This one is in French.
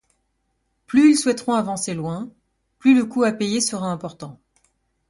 Plus ils souhaiteront avancer loin, plus le coût à payer sera important.